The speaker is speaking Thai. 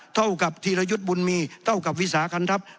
เท่ากับธีรยุทธ์บุญมีเท่ากับวิสาคันทัพ